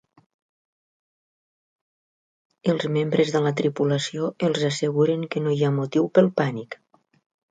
Els membres de la tripulació els asseguren que no hi ha motiu pel pànic.